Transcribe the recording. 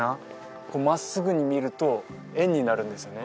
こう真っすぐに見ると円になるんですよね